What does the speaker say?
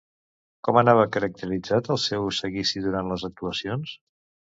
Com anava caracteritzat el seu seguici durant les actuacions?